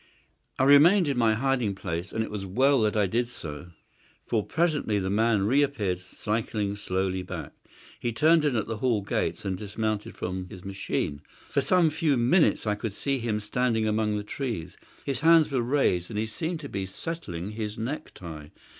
I remained in my hiding place, and it was well that I did so, for presently the man reappeared cycling slowly back. He turned in at the Hall gates and dismounted from his machine. For some few minutes I could see him standing among the trees. His hands were raised and he seemed to be settling his necktie.